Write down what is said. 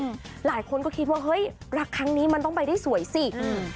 หลายคนก็คิดว่าเฮ้ยรักครั้งนี้มันต้องไปได้สวยสิอืม